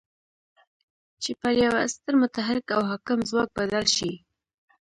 چې پر يوه ستر متحرک او حاکم ځواک بدل شي.